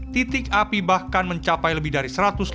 titik api bahkan mencapai lebih dari satu ratus enam puluh